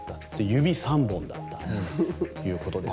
指が３本だったということです。